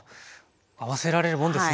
合わせられるもんですね